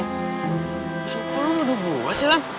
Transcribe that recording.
kok lo ngeduk gue sih lan